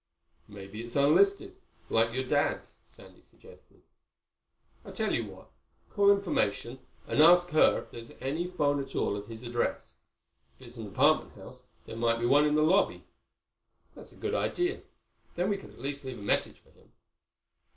"Maybe it's unlisted—like your dad's," Sandy suggested. "I tell you what. Call information and ask her if there's any phone at all at his address. If it's an apartment house there might be one in the lobby." "That's a good idea. Then we could at least leave a message for him."